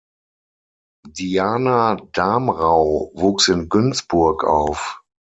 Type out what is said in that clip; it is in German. Diana Damrau wuchs in Günzburg auf.